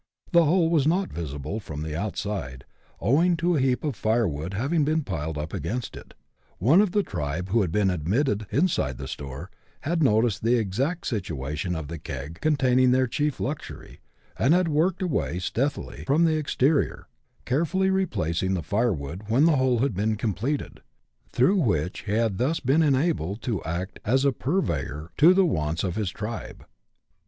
The hole was not visible from the outside, owing to a heap of firewood having been piled up against it. One of the tribe, who had been admitted inside the store, had noticed the exact situation of the keg containing their chief luxury, and had worked away stealthily from the exterior, carefully replacing the firewood when the hole had been completed, through Avhich he had thus been enabled to act as a purveyor to the wants of his tribe.